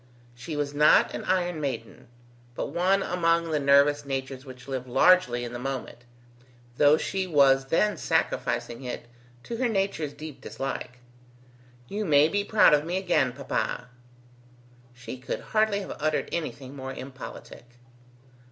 She was not an iron maiden, but one among the nervous natures which live largely in the moment, though she was then sacrificing it to her nature's deep dislike. "You may be proud of me again, papa." She could hardly have uttered anything more impolitic.